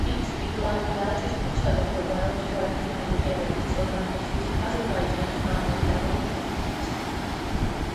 ისტიგლალიატის ქუჩაზე მდებარეობს გაერთიანებული ერების ორგანიზაციის აზერბაიჯანის წარმომადგენლობითი ოფისიც.